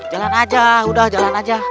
jalan aja udah jalan aja